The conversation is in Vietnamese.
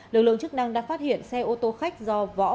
lực lượng chức năng đã phát hiện xe ô tô khách do võ